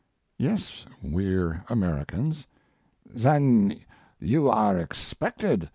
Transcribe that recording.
"Yes, we are Americans." "Then you are expected.